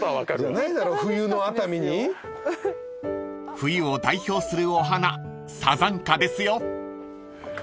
［冬を代表するお花サザンカですよ］